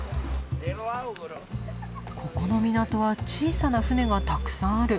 ここの港は小さな船がたくさんある。